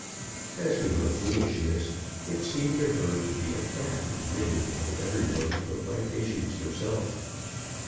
As to her foolishness, it seemed to her to be a fact admitted by every one but by Patience herself.